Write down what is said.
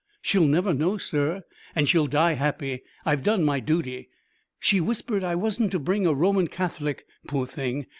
She'll never know, sir, and she'll die happy. I've done my duty. She whispered I wasn't to bring a Roman Catholic, poor thing.